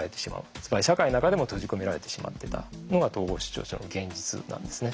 つまり社会の中でも閉じ込められてしまってたのが統合失調症の現実なんですね。